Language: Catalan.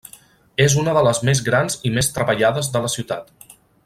És una de les més grans i més treballades de la ciutat.